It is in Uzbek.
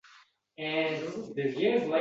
Sogʻmisan-kasalmisan